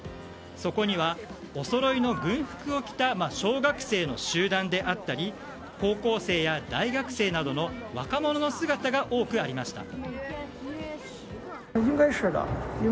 そこには、おそろいの軍服を着た小学生の集団であったり高校生や大学生などの若者の姿が多くありました。